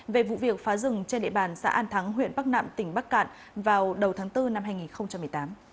về vụ việc phá rừng trên địa bàn xã an thắng huyện bắc nạm tỉnh bắc cạn vào đầu tháng bốn năm hai nghìn một mươi tám